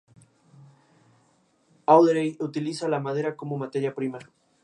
Hipócrates murió al principio de la batalla y casi mil atenienses perecieron.